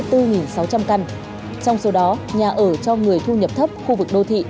trong số đó nhà ở cho người thu nhập thấp khu vực đô thị